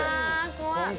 怖い！